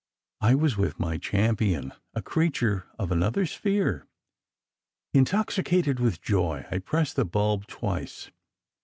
I was with my cham pion, a creature of another sphere. Intoxicated with joy, I pressed the bulb twice.